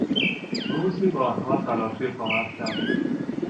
روزی به آنها تلافی خواهم کرد!